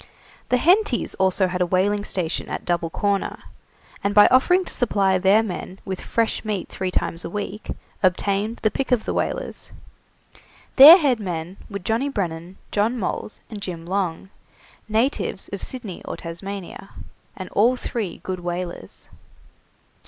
The Hentys also had a whaling station at Double Corner, and by offering to supply their men with fresh meat three times a week, obtained the pick of the whalers. Their head men were Johnny Brennan, John Moles, and Jim Long, natives of Sydney or Tasmania, and all three good whalers.